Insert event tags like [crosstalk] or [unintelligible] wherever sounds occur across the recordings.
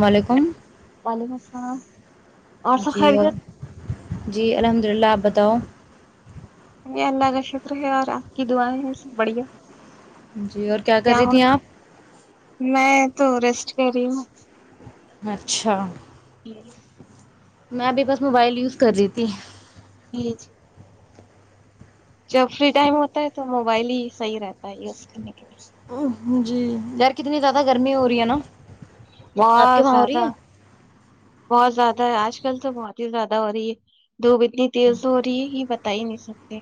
وعلیکم وعلیکم السلام اور سا خیر گ جی الحمد للہ آپ بتاؤ یہ اللہ کا شکر ہے اور آپ کی دعیں ہیں سب بڑھیا جی اور کیا کر رہی تھی آپ میں تو ریسٹ کری ہ اچھا ج میں ابھی بس موبائل یوز کر رہی تھی جی جی جب فری ٹائم ہوتا ہے تو موبائل ہی صحیح رہتا ہے یوز کرنے کا جی کتنی زیادا آپ کے بہت وہاں ہو رہی زیادہ ہے بہت زیادہ ہے آج ک ل تو بہت ہی زیادہ ہو رہی ہے دھوپ اتنی تیز ہو رہی ہے یہ بتا ہی نہیں سکتے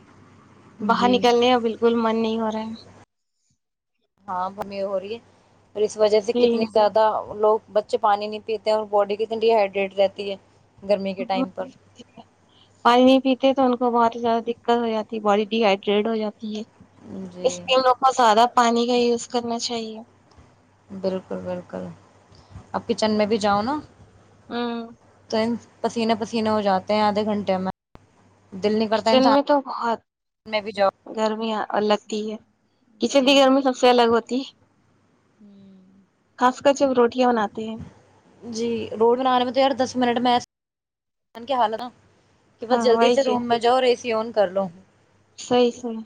باہر جی نکلنے میں بالکل من نہیں ہو رہا ہے ہاں گرمی ہو رہی ہے اور اس وجہ سے جی کتنی زیادہ لوگ بچے پانی نہیں پیتے ہیں اور باڈی کتنی ڈییہائیڈریٹ رہتی ہے گرمی کے ٹائم پر پانی نہیں پیتے تو ان کو بہت ہی زیادہ دک دقت ہو جاتی ہے باڈی ڈیائڈریٹ ہو جاتی ہے جی اسکیم لو اور زیادہ پانی کا یوز کرنا چاہیے بالکل بالکل اپ کچن میں بھی جاؤ نا ہاں تو پسینے پسینے ہو جاتے ہیں آدھے گھنٹے میں دل نہیں کرتا کچن میں انسان تو بہت میں بھی جاؤ گرمیاں لگتی ہے کچن کی جی گرمی سب سے الگ ہوتی ت [inaudible] ہوں خاص کر جب روٹی جی روڈ بنانے میں تو ار دس منٹ میں کیا حالت ن کہ بس ہاں جلدی وہی سے چیز روم میں جؤ اور ایے کی ن کر لو صحیح صحی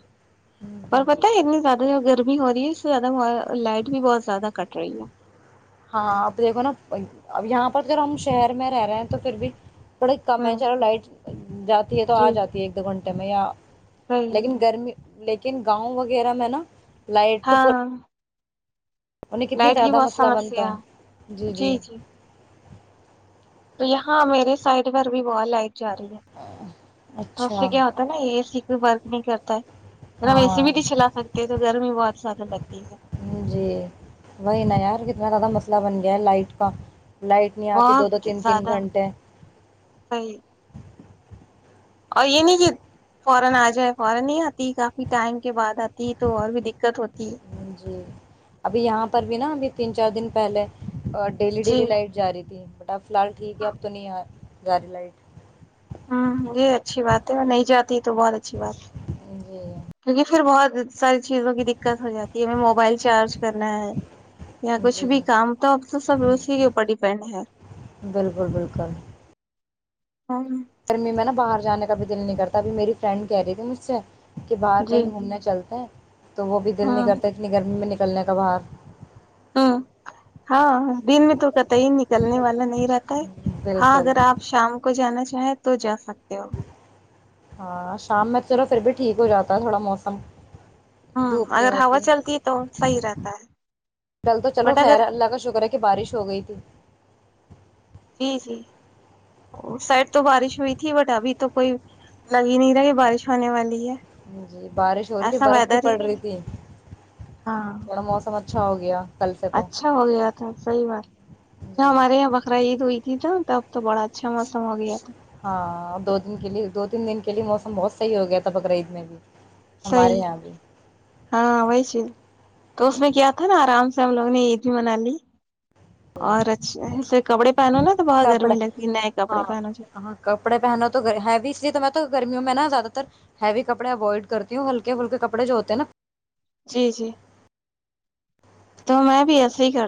جی اور پتا ہے اتنے زیادہ ہو گ گرمی ہو رہی ہے اس سے زیادہ لائٹ بھی بہت زیادہ کٹ رہی ہے ہاں اب دیکھو نا یہاں پر اگر ہم شہر میں رہ رہے ہیں تو پھر بھی بڑے کم ہے ہوں چلو لائٹ ج تو آ جی جاتی ہے ایک دو گھنٹہ ا میا صحیح لیکن گرمی لیکن گاؤں وغیرہ میں نا لائٹ تو ہاں پورا ہاں انہیں کتنی تیادہ مسئلہ بنتا ہے۔ جی جی تو یہاں میرے سائڈ پر بھی ب آئے جا رہی ہے تو اس سے اچھا کیا ہوتا ہے نا یہ س کوئی بورک نہیں کرتا ہے ا ہم ہاں ایسیبٹی چلا سکتے ہیں تو گرمی وہ آپ سادن لگتی ہے جی وہی ن یار کتنا زیادہ مسئلہ بن گیا ہے لائٹ کا لائٹ نہیں آتی دو دو بہت تین تین زیادہ گھنٹے صحیح اور یہ نہیں کہ فورن آ جائے فورن نہیں آتی کافی ٹائم کے بعد آتی ہے تو اور بھی دقت ہوتی ہے جی ابھی یہاں پر بھی نا ابھی تین چار دن پہلے ڈیلی جی ڈیلی لائٹ جا رہی تھی بٹ اب فی الحال ٹھیک ہے اب تو نہیں گاری لائٹ ہوں یہ اچھی بات ہے اور نہیں جاتی تو بہت اچھی بات جی ہے یک پھر بہت ساری چیزوں کی دقت ہو جاتی ہے ہمیں موبائل چارج کرنا ہے یا کچھ جی بھی جی کام تو اب تو سب اسی کے اوپر ڈیپینڈ ہے بالکل بالکل اور گرمی میں نا باہر جانے کا بھی دل نہیں کرتا ابھی میری فرینڈ کہہ رہی تھی مجھ سے کہ باہر جی کہیں گھومنا چلتے ہیں تو وہ بھی دل نہیں ہوں کرتا اتنی گرمی میں ن چلنے کا باہار ہ ہاں دن میں تو کت ہی نکلنے والا نہیں رہتا ہے ہاں بالکل اگر آپ شام کو جانااہ چاہے تو جا سکتا ا [unintelligible] ہاں شام میں چلو پھر بھی ٹھیک ہو جاتا ہے تھوڑا موسم ہوں دھوپ نہیں اگر ہوا ہوتی چلتی ہے تو صحیح رہتا ہے کل تو چلو بٹ اگر خیر اللہ کا شکر ہے کہ بارش ہو گئی تھی جی جی سائڈ تو بارش ہوئی تھی بٹ ابھی تو کوئی لگی ہی نہیں رہی بارش ہونے والی ہے جی بارش ہو رہی تھی ایسا برف بھی ویدر ہی پڑ رہی نہیں تھی ہاں تھوڑا موسم اچھا اچھا ہو گیا کل سے تو اچھا ہو گیا تھا صحیح بات جو جی ہمارے یہاں بکرا عید دوئی تھی تھا تب تو بڑا اچھا موسم ہو گیا تھا ہاں دو دن کے لیے دو تین دن کے لیے موسم بہت صحیح ہو گیا تھا بقرعید میں بھی سی ہمارے یہاں بھی ہاں وہی چ تو اس میں کیا تھا نا آرام سے ہم لوگوں نے عید بھی منا لی اور اچھاے کپڑے پہنو نا تو بہت کپڑا گرمی لگتی نئے ہاں کپڑے پہنو ج ہاں کپڑے پہنا تو ہیوی اس لیے تو میں تو گرمیوں میں ن زیاد تر ہیوی کپڑے اوائڈ کرتی ہوں ہلکے ہلک کپڑے جو ہوتے نا جی جی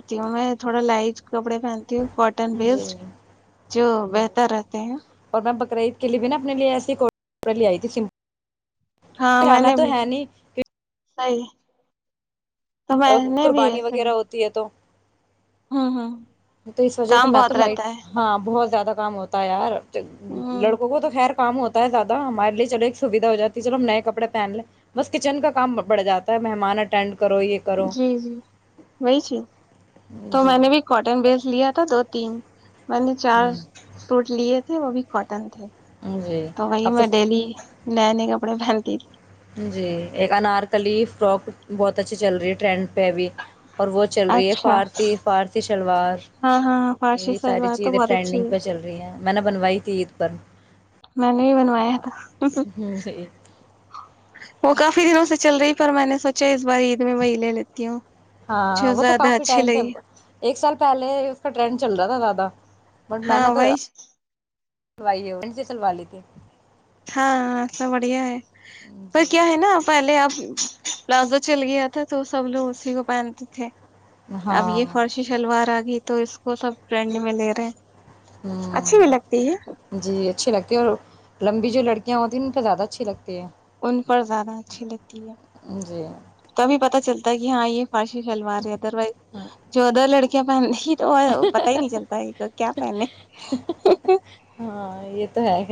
تی ہوں میں تھوڑا لائٹ کپڑے پہنتی ہوں کاٹن نا بیسڈ جی جو بہتر رہتے ہیں ری کے لیے بھی نا اپنے لیے ایسسی کوڑاے آئی تھی س ہاں میں نے بھی سئی قربانی وغیرہ ہوتی ہے تو ہاں ہاں تو اس وجہ سے میں تو لائٹ ہاں بہت زیادہ کام ہوتا ہے یار ہوں لڑکوں کو تو خیر کام ہوتا ہے زیادہ ہمارے لیے چلو ایک سویدھا ہو جاتی ہے چلو ہم نئے کپڑے پہن لیں بس کچن کا کام بڑھ جاتا ہے مہمان اٹینڈ کرو یہ کرو جی جی وہی چیز تو جی میں نے بھی کاٹن بیس لیا تھا دو تین میں نے چار ہ سوٹ لیے وہ بھی کاٹن تھے جی تو وہی اب میں ڈیلی نئے نئے کپڑے پہنتی تھی جی ایک انارکلی فرک بہت اچھی چل رہی ٹرینڈ پہ بھی اور وہ چل رہی ہے اچھا فارسی فارسی شلوار ہاں ہاں فارشی یہ ساری سلوار تو چیز بہت اچھی ٹرینڈنگ ہے پہ چل رہی ہے میں نے بنوائی تھی عید [inaudible] میں نے بھی بنوایا تھا جی وہ کافی دنوں سے چل رہی پر میں نے سوچا اس بار عید میں وہ لے لیتے ہاں وہ تو کافی ٹائم پے لگی ایک سال پہلے اس کا ٹرینڈ چل رہا تھا زیادہ ہاں وہائش سلوائیے سے سلوا لی تھی ہاں سب بڑھیا ہے پر جی کیا ہے نا پہلے اب پلازو چل گیا تھا تو سب لوگ اسی کو پہنتے تھے اب ہاں یہ فرشی شلوار آ گئی تو اس کو سب ٹرنڈ میں لے رہے اچھی بھی ہوں لگتی ہے جی اچھی لگتی اور لمبی جو لڑکیاں ہوتی ہیں ان پہ زیادہ اچھی لگتی ہیں ان پر زیادہ اچھی لگتی تی ہے تبھی پتا چلتا تا کہ ہاں یہ فاشی شلوار رہی ہے ادروائز ہاں جو ادر لڑک کیا پہن رہی تو پتا ہی نہیں چلتا تو کیا پہنے [inaudible] ہاں یہ تو ہے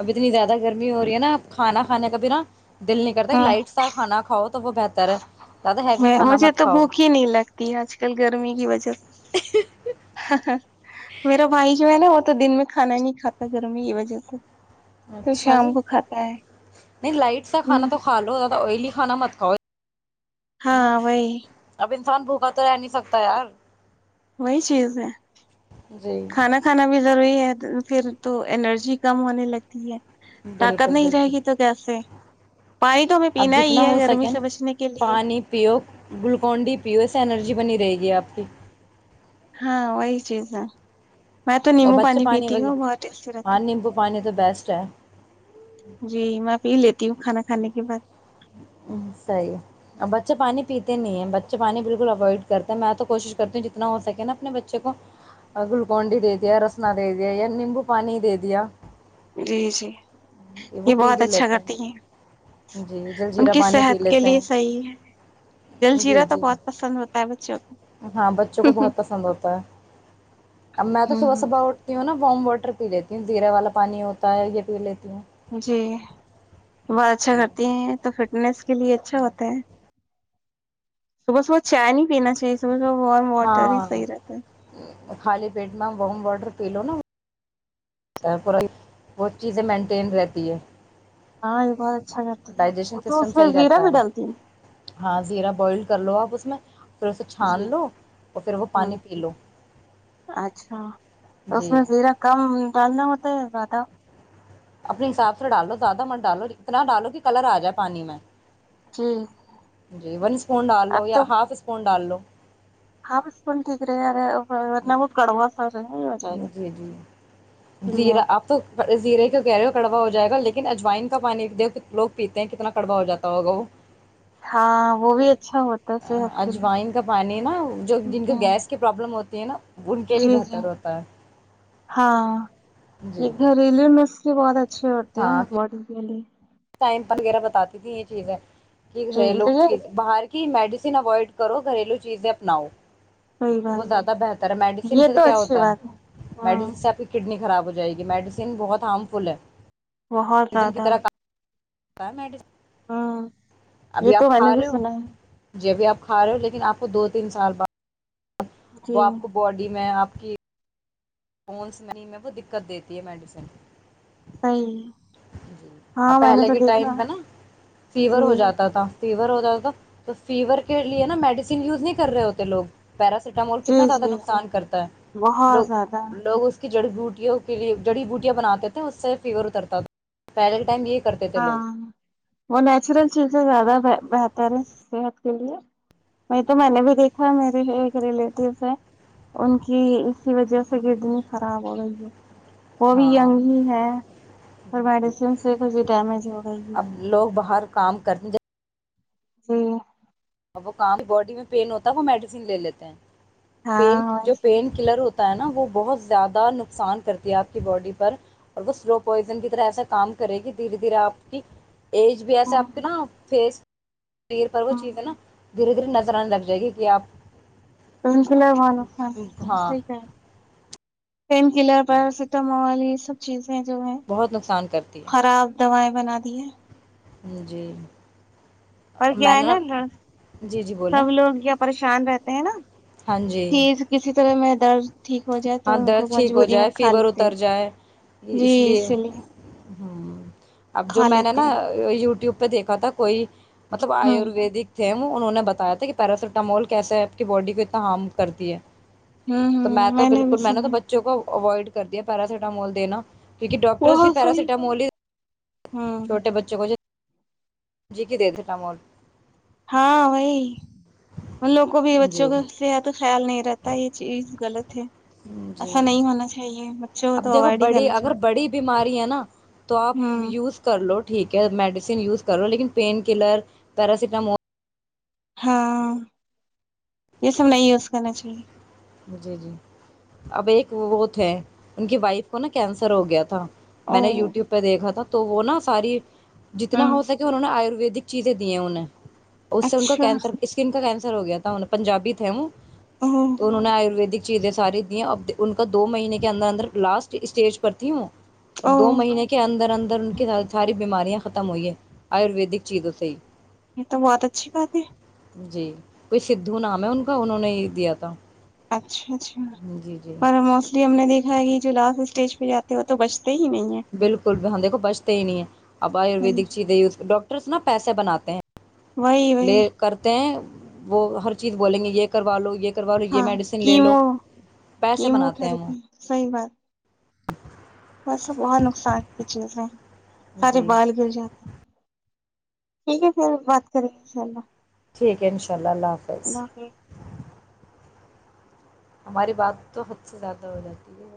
ابھی اتنی زیادہ گرمی ہو رہی ہے نا کھانا کھانے کا بھی نا دل نہیں کرتا ہاں لائٹ سا کھانا کھاؤ تو وہ بہتر ہے زیادہ ہیوی میں کھانا مجھے مت تو کھاؤ بھوک ہی نہیں لگتی آج کل گرمی کی وجہ سے میرا بھائی جو ہے نا وہ تو دن میں کھانا ہی نہیں کاتا گرمی کی وجہ سے تو اچھا جی شام کو کھاتا ہے نہیں لائٹ سا ہ کھانا تو کھا لو زیادہ آئلی کھانا مت کو ہاں وہی اب انسان بھوکا تو رہ نہیں سکتا یار وہی چیز ہے جی کھانا کھانا بھی زروری ہے پھر تو انرجی کم ہونے لگتی ہے طاقت بالکل نہیں رہے بالکل گی تو کیسے پانی تو ہمیں اب پینا جتنا ہی ہے ہو گرمی سکے سے نا بچنے کے لیے پانی پیو گلوکون ڈی پیو اسے اینرجی جی بنی رہے گی آپ کی ہاں وہی چیز ہے میں تو اور نیمبو بچے پانی پیتی ہوں بہت ٹیسٹی وغیرہ رہتا ہاں ہے نیمبو پانی تو بیسٹ ہے جی میں پی لیتی ہوں کھاناھ کھانے کے بعد صحیح اور بچے پانی پیتے نہیں ہیں بچے پانی بالکل اوائڈ کرتے ہیں میں تو کوشش کرتی ہوں جتنا ہو سکے نا اپنے بچے کو گلوکون ڈی دے دیا رسنا دے دیا یا نیمبو پانی دے دیا جی جی وہ یہ پی بہت بھی اچھا لیتے کرتی ہیں جی جل ان جیرا کی پانی پی صحت کے لیتے لیے صحیح ہے جل ہیں جی جیرا تو جی بہت پسند ہوتا ہے بچوں ہاں بچوں کو بہت پسند ہوتا ہے اب میں تو صبح صبح اٹتی ہوں نا ورم ووٹر ٹر پی لیتی ہوں زیرے والا پانی ہوتا ہے یہ پی لیتی ہوں جی بہت اچھا کرتی ہیں تو پھر فٹس کے لیے اچھا ہوتا ہے صبح صبح چائے نہیں پینا چاہیے صبح وارم واٹر ہی صحیح رہتے ہیں پیڈ میں ورم واڈر پی لو نا بہت چیزیں مینٹین رہتی ہے ہاں یہ بات اچھا کرتی ڈائجیشن تو سسٹم اس میں زیرا بھی ڈالتی ہیں زیرا بوائل کر لو آپ اس میں پھر اسے جی چھان لو اور پھر وہ پانی ہاں پی لو اچھا تو اس جی میں زیرا کم ڈالنا ہوتا زیادہ اپنے حساب سے ڈالو زیادہ مر ڈالو اتنا ڈالو کہ کلر آ جائے پانی میں جی جی ون اسپون ڈال لو یا ہاف اسپون ڈال لو الف اسپوں ٹھیک رہ رہیے ہی ن ورنہ وہ کڑوا سا رہے ہو جائے گا جی جی لیا زیرا آپ تو زیرے کی کہہ رہے ہو کڑوا ہو جائے گا لیکن اجوائن کا پانی د لوگ پیتے ہیں کتنا کڑوا ہو جاتا ہوگا وہ ہاں وہ بھی اچھا ہوتا ہے صحت کے لیے اجوائن کا پانی نا جو جن کو ہوں، گیس کی پرابلم ہوتی دینا ان ک لیے جی جی بہتر ہوتا ہاں جی یہ گھرل ن بہتچ [unintelligible] اچھ ہوتے ہے ہاں باڈ کے لیے ٹائم وغیرہ بتاتی تھی یہ چیزیں کی گ جی رہے ہیں لوگ لیے باہر کی میڈیسن اوائڈ کرو گھریلو چیزیں اپناؤ صحیح وہ بات زیادہ بہتر ہے میڈیسین یہ سے تو کیا اچھی ہوتا بات ہے ہاں میڈیس سے آپ کی کڈنی خراب ہو جائے گی میڈیسین بہت ہارم فل ہے بہت زیادہ ب مڈ [unintelligible] ہوں یہ تو میں نے بھی رہے ہو سنا ہے جی ابھی آپ کھا رہے ہو لیکن آپ کو دو تین سال بعد وہ جی آپ کو باڈی میں آپ کہ [unintelligible] ونس م میں وہ دقت دیتی ہے میڈیسن صحیح جی ہاں اب میں نے پہلے تو کے دیکھا ٹائم پہ نا جی فیور ہو جاتا تھا فیور ہوتا تو فیور کے لیے نا میڈیسین یوز نہیں کر رہے ہوتے لوگ پیراسیٹامول جی کتنا زیادہ جی نقصان کرتا ہے بہت لوگ زیادہ لوگ اس جڑی بوٹیوں کے لیے جڑی بوٹیاں بناتے تھے اس سے فیور اترتا تھا پہلے کے ٹائم یہ کرتے تھے ہاں لوگ وہ نیچرل چیزیں زیادہ بہتر بتر ہے صحت کے لیے وہی تو میں نے بھی دیکھا میرے ایک ریلیٹیو ہے ان کی اسی وجہ سے کڈنی خراب ہو گئی ہے وہ بھی ہاں گ ہی ہے اور میڈیسن سے ڈیمیج ہو گئی ہے اب لوگ باہر کام کرنے جات جی وہ کام باڈی میں پین ہوتا ہے وہ میڈیسین لے لیتے ہیں پ ہاں جو پین کلر ہوتا نا وہ بہت زیادہ نقصان کرتی ہے آپ کی باڈی پر اور وہ سلو پوائزن کی طرح ایسا کام کرے گی دھیرے دھیرے آپ کی ایج بھی ایسے آپ کے نا فیس یر پرو چاہی تھے نا دھیرے دھیرے نظر آنے لگ جائے گی کہ آپ الحمد اللہ ہاں وعلممح پین کلر پر ست مالس سب چیز جو ہے بہت نقصان کرتی خراب دوائ بنا دیے جی اور میں کیا ہے نے نا جی جی بولیں سب لوگ کیا پریش شان رہتے ہیں نا ہاں جی چیز کسی طرح میں درد ٹھیک ہو جائے تو ہاں ان کو درد ٹھیک ہو مجبوری میں جائے کھا فیور لیتے اتر ہیں جائے جی اسی لیے ہاں اب جو کھا میں نے لیتے نا ہیں یوٹیوب پ دیکھا تھا کوئی مطلب ہوں آیورویدک تھھیم انہوں نے بتایا تھا کہ پیراسیٹامول کیسے ہے آپ کی باڈی کو اتنا ہارم کرتی ہے ہوں ہ تو تو میں نے بھی بالکل سنا تو ہے بچوں کو اوائڈ کرتی ہے پیراسیٹامول د نا کیونکہ ڈاکٹر بھی پیراسیٹامول ہی ہاں بے جک دے تھےٹامول ہاں وہ ان لوگ کو بھی بچوں جی کا صحت خیال نہیں رہتا یہ چیز غلط جک جی ایسا نہیں ہونا چاہیے بچوں کو اب تو دیکھو اوائڈ ہی بڑی کرنا اگر چاہیے بڑی بھی بیماری ہے نا تو آپ ہوں یوز کر لو ٹھیک ہے میڈیسین یوز کر لو لیکن پین کلر پیراسیٹامول ہاں یہ سب نہیں یوز کرنا چاہیے جی جی اب ایک وہ تھے ان کی وائف کو نا کینسر ہو گیا تھا میں او نے یوٹیوب پہ دیکھا تھا تو وہ نا ساری جتنا ہوں ہو سکے انہوں نے آیروروید دک چیزیں دی ہیں انہیں اس سے ان کا اچھا کینسر اسکن کا کینسر ہو گیا تھا پنجابی تھ وہ [inaudible] تو انہوں نے آیورویدک چیزیں ساری دییں اب ان کا دو مہینے کے اندر اندر لاسٹ اسٹیج پر تھیں وہ اور او دو مہینے کے اندر اندر ان کی ساری بیماریاں ختم ہوئی ہے آیورویدک چیزوں سے ہی یہ تو بہت اچھی بات ہے جی کوئی سدھو نام ہے ان کا انہوں نے ہی دیا تھا اچھا اچھا جی جی پر موسٹلی ہم نے دیک یہ جو لاسٹ اسٹیج پہ جاتے ہو تو بچتے ہی نہیں بالکل بھیاں دیکو بچتے ہی نہیں ہے اب ہے آیورویدک چیزیں یوز کر ڈاکٹر ڈاکٹرز نا پیسے بناتے ہیں وہی لے وہی کرتے ہیں وہ ہر چیز بولیں گے یہ کروا لو یہ کروا لو یہ ہاں میڈیسن لے لو کیمو پیسے کیمو بناتے ہیں وہ تھراپی صحیح بات [inaudible] ویسے بہت نقصان کی چیز ہے سارے جی بال گر جاتے ہیں ٹھیک ہے پھر بات کریں گے ان شاء اللہ ٹھیک ہے انشاءاللہ اللہ حافظ ہماری بات تو حد سے زیادہ ہو جاتی ہے